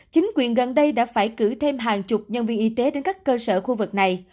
chính quyền gần đây đã phải cử thêm hàng chục nhân viên y tế đến các cơ sở khu vực này